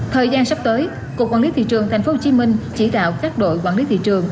thời gian sắp tới cục quản lý thị trường tp hcm chỉ đạo các đội quản lý thị trường